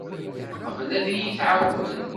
Teqbel ad iyi-tɛawen.